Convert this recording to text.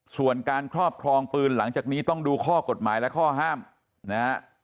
ส่วนการครอบครองปืนหลังจากนี้ต้องดูข้อกฎหมายและข้อห้ามนะฮะ